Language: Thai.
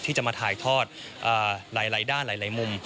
ที่จะมาถ่ายทอดหลายด้านหลายมุม